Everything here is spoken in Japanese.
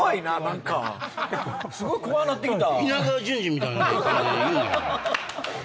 何かすごい怖ぁなってきた。